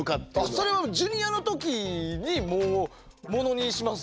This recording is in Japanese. それはジュニアの時にもうものにしますからね。